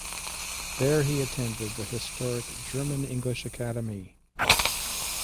There he attended the historic German-English Academy.